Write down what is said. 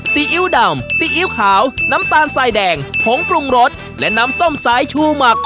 ซีอิ๊วดำซีอิ๊วขาวน้ำตาลสายแดงผงปรุงรสและน้ำส้มสายชูหมัก